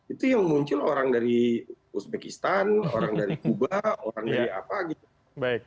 itu yang muncul orang dari uzbekistan orang dari kuba orang dari apa gitu